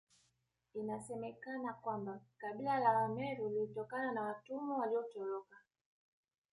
Inasemekana kwamba kabila la Wameru lilitokana na watumwa waliotoroka